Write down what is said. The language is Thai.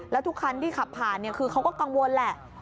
แล้วทุกคันที่ขับผ่านคือเขาก็กังวลแหละ